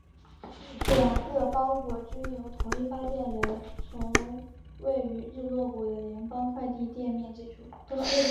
两个包裹均由同一发件人从位于日落谷的联邦快递店面寄出。